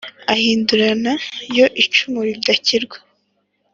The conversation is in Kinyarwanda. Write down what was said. ahindurana yo icumu ridakirwa,